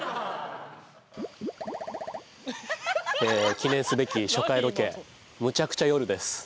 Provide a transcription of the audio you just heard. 記念すべき初回ロケむちゃくちゃ夜です。